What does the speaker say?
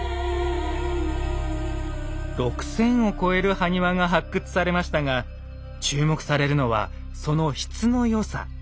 ６，０００を超える埴輪が発掘されましたが注目されるのはその質の良さ。